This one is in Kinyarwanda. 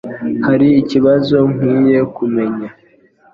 Hari ikibazo nkwiye kumenya